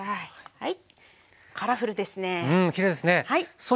はい。